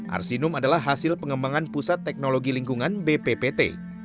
arsinum adalah hasil pengembangan pusat teknologi lingkungan bppt